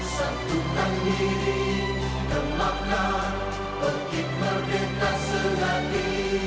satukan diri gemarkan berkip merdeka selagi